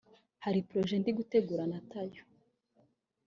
Hari project ndi gutegurana na Tayo